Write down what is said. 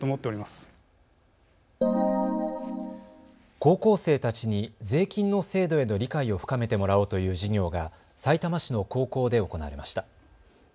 高校生たちに税金の制度への理解を深めてもらおうという授業がさいたま市の高校で行われました。